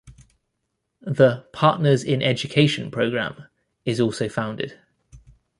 The "Partners in Education" program is also founded.